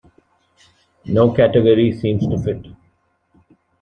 No category seems to fit.